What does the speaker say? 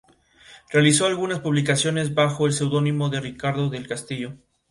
Realizó algunas publicaciones bajo el seudónimo de Ricardo del Castillo.